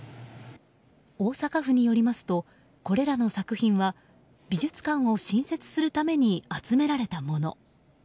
大阪府によりますとこれらの作品は美術館を新設するために集められたもの。